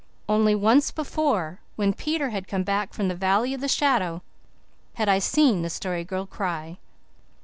Only once before when Peter had come back from the Valley of the Shadow had I seen the Story Girl cry.